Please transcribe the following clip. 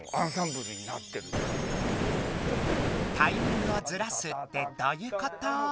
タイミングをずらすってどういうこと？